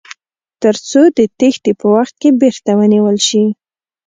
تر څو د تیښتې په وخت کې بیرته ونیول شي.